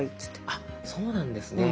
あそうなんですね。